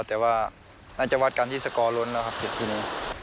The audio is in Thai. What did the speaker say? แต่ว่าน่าจะวัดกันที่สกอร์ล้นแล้วครับจุดที่นี้